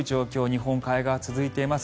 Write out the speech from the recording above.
日本海側、続いています。